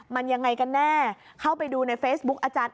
มันยังไงกันแน่เข้าไปดูในเฟซบุ๊กอาจารย์